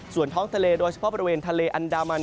ส่วนท้องทะเลโดยเฉพาะบริเวณทะเลอันดามัน